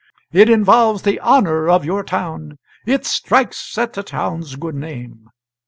It involves the honour of your town it strikes at the town's good name.